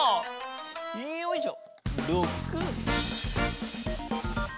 よいしょ！